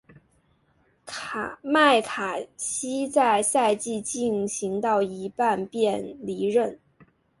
麦卡锡在赛季进行到一半便离任。